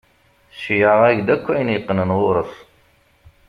Cceyɛeɣ-ak-d akk ayen yeqqnen ɣur-s.